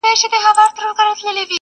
چي په فکر کي دي نه راځي پېښېږي.!